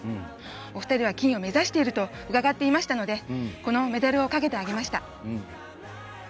お二人は金を目指しているとお聞きしていましたのでこのメダルをかけてあげました。